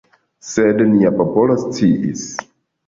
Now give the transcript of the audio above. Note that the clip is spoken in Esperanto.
Sed nia popolo sciis.